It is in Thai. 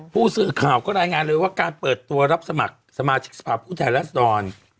ผู้สื่อข่าวก็รายงานเลยว่าการเปิดตัวรับสมัครสมาชิกสภาพผู้แทนรัศดร